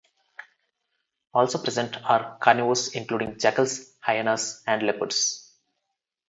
Also present are carnivores including jackals, hyenas and leopards.